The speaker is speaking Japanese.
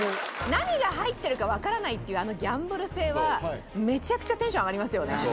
何が入ってるか分からないっていう、あのギャンブル性は、めちゃくちゃテンション上がりますよね。